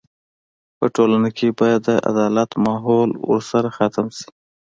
په ټولنه کې به د عدالت ماحول ورسره ختم شي.